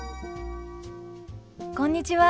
こんにちは。